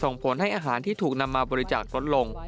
ส่งผลให้อาหารที่ถูกนำมาบริจาคลดลง